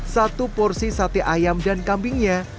satu porsi sate ayam dan kambingnya